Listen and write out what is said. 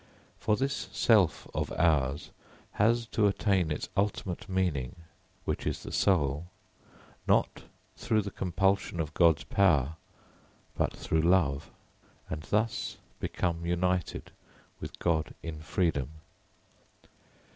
For this self of ours has to attain its ultimate meaning, which is the soul, not through the compulsion of God's power but through love, and thus become united with God in freedom.